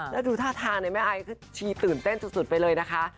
แล้วดูท่าทางแม่ไอคือชีตื่นเต้นสุดไปเลยนะคะ